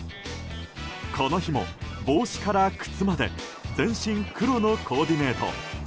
この日も、帽子から靴まで全身黒のコーディネート。